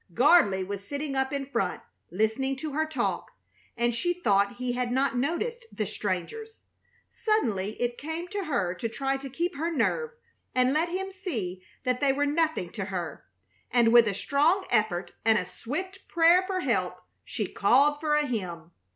Gardley was sitting up in front, listening to her talk, and she thought he had not noticed the strangers. Suddenly it came to her to try to keep her nerve and let him see that they were nothing to her; and with a strong effort and a swift prayer for help she called for a hymn.